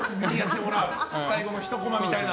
最後のひとコマみたいな。